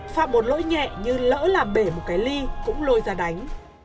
phạt một lỗi nhẹ như lỡ làm bể một cái ly cũng lôi ra đánh